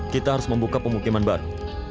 kita harus membuka pemukiman baru